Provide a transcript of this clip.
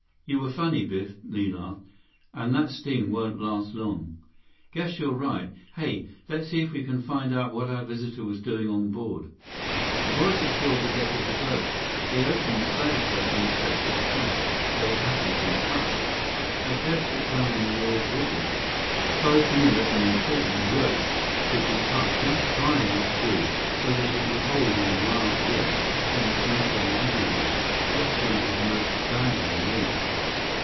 "You were funny, Biff," Li laughed. "And that sting won't last long." "Guess you're right. Hey, let's see if we can find out what our visitor was doing on board." First the boys explored the deck of the boat. They opened the sail chest and inspected the sails. They hadn't been touched. They carefully examined the yawl's rigging. Both knew that an important rope could be cut just far enough through so that it would hold in a mild wind, then snap in a heavy one, just when it was most badly needed.